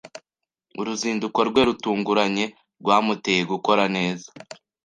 Uruzinduko rwe rutunguranye rwamuteye gukora neza.